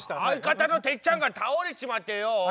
相方のてっちゃんが倒れちまってよ。